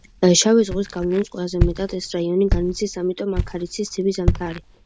შავი ზღვის გავლენის ყველაზე მეტად ეს რაიონი განიცდის, ამიტომ აქ არ იცის ცივი ზამთარი.